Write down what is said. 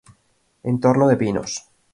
Entorno de pinos.